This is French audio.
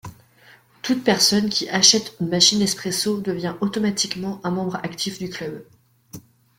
Toute personne qui achète une machine Nespresso devient automatiquement un membre actif du club.